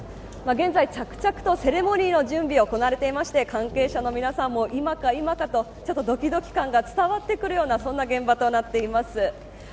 現在、着々とセレモニーの準備が行われていて関係者の皆さんも今か今かとドキドキ感が伝わってくるような現場になっています。